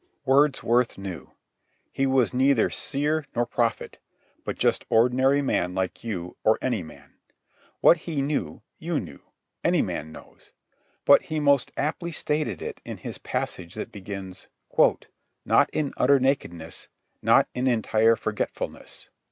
Wordsworth knew. He was neither seer nor prophet, but just ordinary man like you or any man. What he knew, you know, any man knows. But he most aptly stated it in his passage that begins "Not in utter nakedness, not in entire forgetfulness.